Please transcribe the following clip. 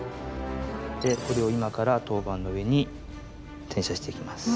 でこれを今から陶板の上に転写していきます。